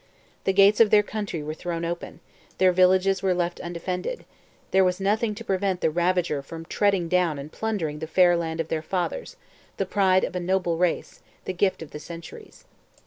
The gates of their country were thrown open; their villages were left undefended; there was nothing to prevent the ravager from treading down and plundering the fair land of their fathers, the pride of a noble race, the gift of the centuries.